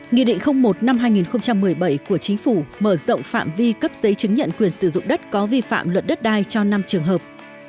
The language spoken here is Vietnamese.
nghị định một năm hai nghìn một mươi bảy của chính phủ mở rộng phạm vi cấp giấy chứng nhận quyền sử dụng đất có vi phạm luật đất đai cho năm trường hợp